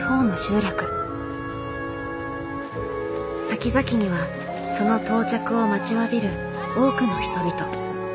先々にはその到着を待ちわびる多くの人々。